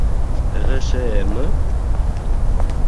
— ҒШЭ-мы?